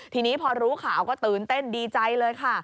ทีนี้พอรู้ข่าวก็ตื่นเต้นดีใจเลยค่ะ